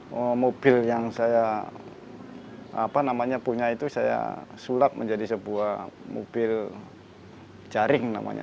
jadi mobil yang saya punya itu saya sulap menjadi sebuah mobil jaring namanya